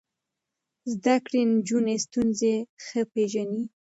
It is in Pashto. زده کړې نجونې ستونزې ښه پېژني.